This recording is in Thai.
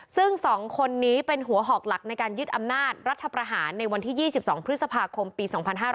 ซึ่ง๒คนนี้เป็นหัวหอกหลักในการยึดอำนาจรัฐประหารในวันที่๒๒พฤษภาคมปี๒๕๕๙